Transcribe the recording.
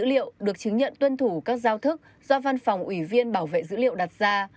dữ liệu được chứng nhận tuân thủ các giao thức do văn phòng ủy viên bảo vệ dữ liệu đặt ra